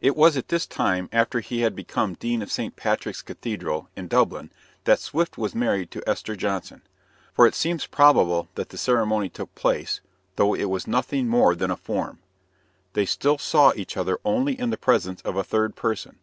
It was at this time, after he had become dean of St. Patrick's Cathedral, in Dublin, that Swift was married to Esther Johnson for it seems probable that the ceremony took place, though it was nothing more than a form. They still saw each other only in the presence of a third person.